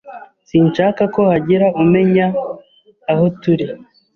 Sinshaka ko hagira umenya aho turi.